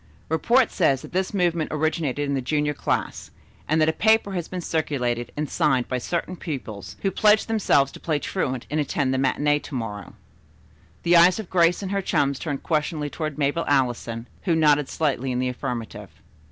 "Report says that this movement originated in the junior class, and that a paper has been circulated and signed by certain pupils, who pledged themselves to play truant and attend the matinée to morrow." The eyes of Grace and her chums turned questioningly toward Mabel Allison, who nodded slightly in the affirmative.